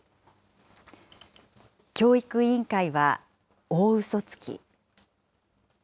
教育委員会は大ウソつき。